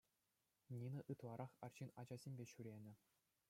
Нина ытларах арҫын ачасемпе ҫӳренӗ.